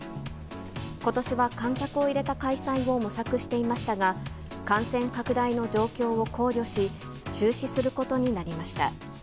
ことしは、観客を入れた開催を模索していましたが、感染拡大の状況を考慮し、中止することになりました。